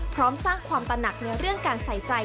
พร้อมสร้างความตนักในเรื่องการใส่ใจ